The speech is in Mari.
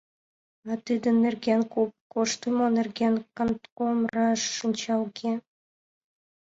А тидын нерген, куп коштымо нерген, кантком раш шинча, уке?